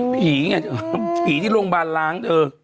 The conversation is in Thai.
ไงเธอผีที่โรงพยาบาลล้างเธอ